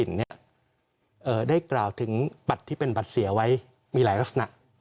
ด้เปิดไปอีกหลายลักษณะ